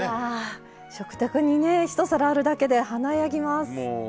いや食卓にね一皿あるだけで華やぎます。